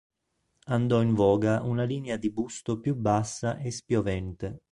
Andò in voga una linea di busto più bassa e spiovente.